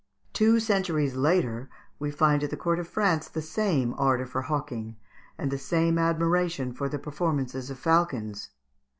Two centuries later we find at the court of France the same ardour for hawking and the same admiration for the performances of falcons.